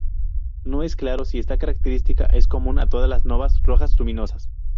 No es claro si esta característica es común a todas las novas rojas luminosas.